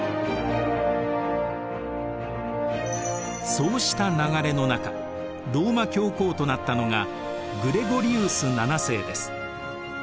そうした流れの中ローマ教皇となったのがグレゴリウス７世です。